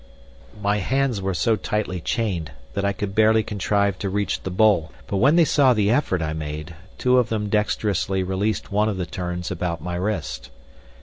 My hands were so tightly chained that I could barely contrive to reach the bowl; but when they saw the effort I made, two of them dexterously released one of the turns about my wrist.